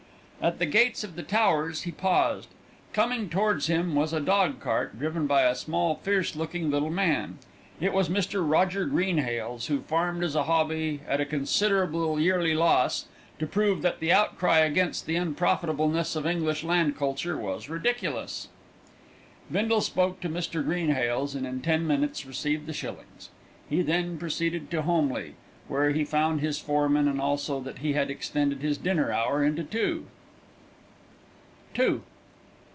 At the gates of The Towers he paused. Coming towards him was a dog cart, driven by a small, fierce looking little man. It was Mr. Roger Greenhales, who farmed as a hobby, at a considerable yearly loss, to prove that the outcry against the unprofitableness of English land culture was ridiculous. Bindle spoke to Mr. Greenhales, and in ten minutes received five shillings. He then proceeded to Holmleigh, where he found his foreman, and also that he had extended his dinner hour into two.